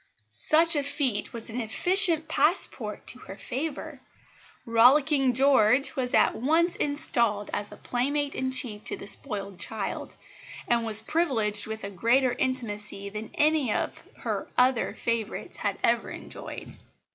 Such a feat was an efficient passport to her favour. Rollicking George was at once installed as playmate in chief to the spoiled child, and was privileged with a greater intimacy than any of her other favourites had ever enjoyed.